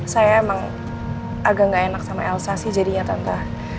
saya emang agak gak enak sama elsa sih jadinya tante